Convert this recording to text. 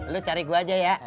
lu cari gue aja ya